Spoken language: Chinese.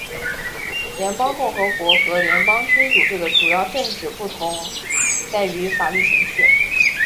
联邦共和国和联邦君主制的主要政治不同在于法律形式。